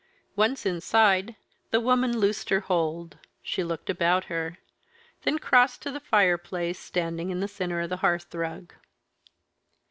Once inside, the woman loosed her hold. She looked about her. Then crossed to the fireplace, standing in the centre of the hearthrug.